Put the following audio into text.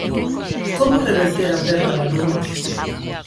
Como reverter a perda de alumnos?